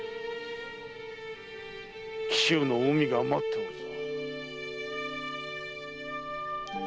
紀州の海が待ってるぞ。